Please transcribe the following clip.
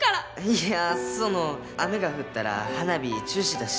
いやその雨が降ったら花火中止だし。